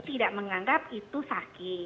dan kami tidak menganggap itu sakit